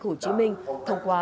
hồ chí minh thông qua